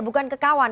bukan ke kawan